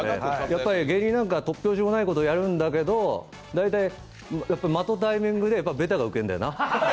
やっぱ芸人なんかとっぴょうしもないことやるんだけど大体、やっぱ、間とタイミングでベタがウケるんだよな。